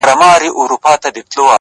ټول عمر تكه توره شپه وي رڼا كډه كړې،